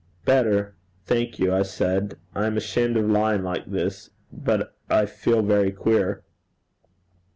'Better, thank you,' I said. 'I am ashamed of lying like this, but I feel very queer.'